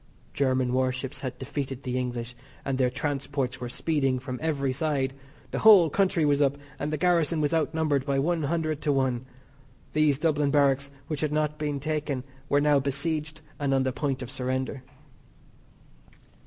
German warships had defeated the English, and their transports were speeding from every side. The whole country was up, and the garrison was out numbered by one hundred to one. These Dublin barracks which had not been taken were now besieged and on the point of surrender.